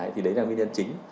thì đấy là nguyên nhân chính